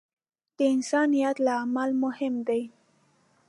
د انسان نیت له عمل مهم دی.